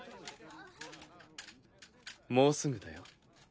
もうすぐだよ。